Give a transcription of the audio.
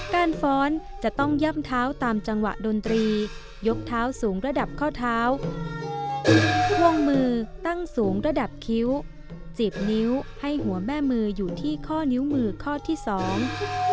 ฟ้อนจะต้องย่ำเท้าตามจังหวะดนตรียกเท้าสูงระดับข้อเท้าวงมือตั้งสูงระดับคิ้วจีบนิ้วให้หัวแม่มืออยู่ที่ข้อนิ้วมือข้อที่สอง